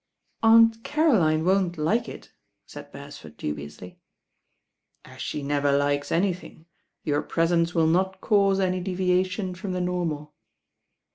"Aunt Caroline won't like it," said Bere^fo z^ du biously. i "As she never likes anything, your '^"csence will not cause any deviation from the normal."